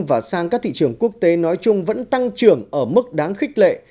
và sang các thị trường quốc tế nói chung vẫn tăng trưởng ở mức đáng khích lệ